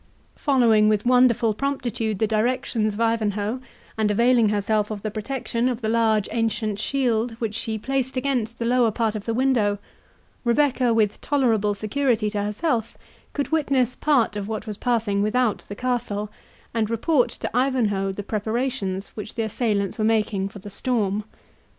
Following with wonderful promptitude the directions of Ivanhoe, and availing herself of the protection of the large ancient shield, which she placed against the lower part of the window, Rebecca, with tolerable security to herself, could witness part of what was passing without the castle, and report to Ivanhoe the preparations which the assailants were making for the storm.